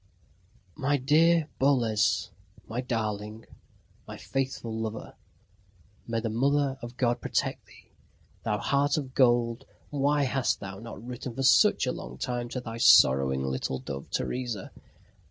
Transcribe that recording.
"My dear Boles ... my darling ... my faithful lover. May the Mother of God protect thee! Thou heart of gold, why hast thou not written for such a long time to thy sorrowing little dove, Teresa?"